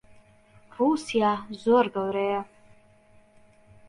ڕووسیا زۆر گەورەیە.